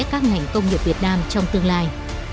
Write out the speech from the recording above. các ngành công nghiệp việt nam trong tương lai